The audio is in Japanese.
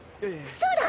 そうだ！